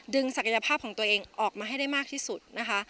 ศักยภาพของตัวเองออกมาให้ได้มากที่สุดนะคะ